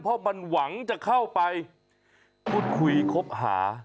เพราะมันหวังจะเข้าไปพูดคุยคบหา